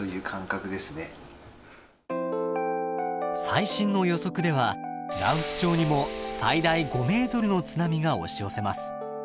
最新の予測では羅臼町にも最大５ｍの津波が押し寄せます。